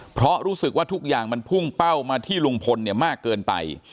เพราะรู้สึกว่าทุกอย่างมันพุ่งเป้ามาที่ลุงพลเนี่ยมากเกินไป